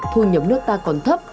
thu nhập nước ta còn thấp